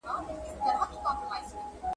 چا ښرا وه راته کړې جهاني عمر دي ډېر سه ,